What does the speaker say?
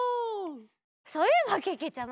そういえばけけちゃま。